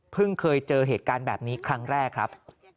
เคยเจอเหตุการณ์แบบนี้ครั้งแรกครับ